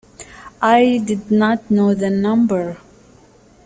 I did not know the number.